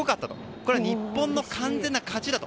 これは日本の完全な勝ちだと。